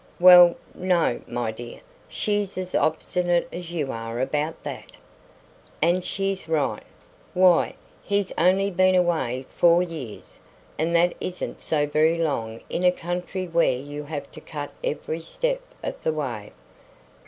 "Well, no, my dear; she's as obstinate as you are about that." "And she's right. Why, he's only been away four years, and that isn't so very long in a country where you have to cut every step of the way."